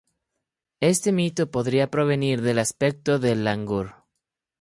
Ese mito podría provenir del aspecto del langur.